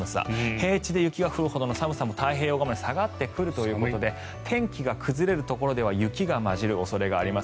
平地で雪が降るほどの寒さも太平洋側まで下がってくるということで天気が崩れるところでは雪が交じる恐れがあります。